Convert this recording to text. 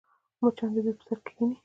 مچان د جوس پر سر کښېني